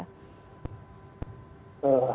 hal yang lumrah untuk seorang andika perikasa